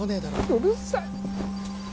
うるさい